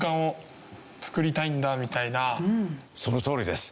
そのとおりです。